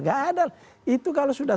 gak ada itu kalau sudah